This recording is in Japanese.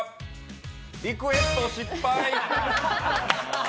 リクエスト失敗。